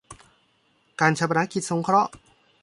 การฌาปนกิจสงเคราะห์